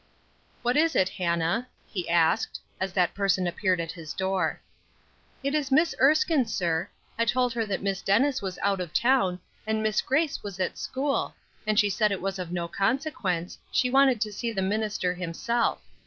"What is it, Hannah?" he asked, as that person appeared at his door. "It is Miss Erskine, sir. I told her that Miss Dennis was out of town, and Miss Grace was at school, and she said it was of no consequence, she wanted to see the minister himself.